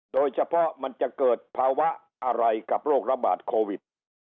โดยเฉพาะมันจะเกิดภาวะอะไรกับโรคระบาดโควิด